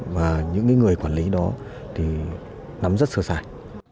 và những người quản lý đó thì nắm rất sơ sài